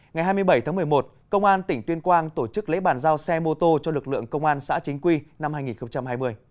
ngày hai mươi bảy tháng một mươi một công an tỉnh tuyên quang tổ chức lễ bàn giao xe mô tô cho lực lượng công an xã chính quy năm hai nghìn hai mươi